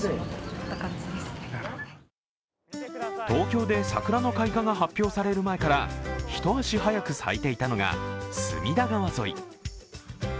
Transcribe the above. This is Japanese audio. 東京で桜の開花が発表される前から一足早く咲いていたのが隅田川沿い。